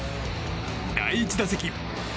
第１打席。